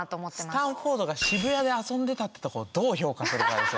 スタンフォードが渋谷で遊んでたってとこどう評価するかですよね。